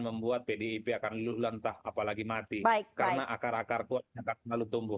membuat pdip akan luluh lentah apalagi mati karena akar akar kuatnya akan selalu tumbuh